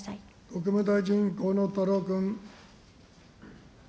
国務大臣、河野太郎君。